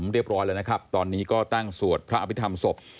เรียบร้อยแล้วนะครับตอนนี้ก็ตั้งสวดพระอภิษฐรรมศพ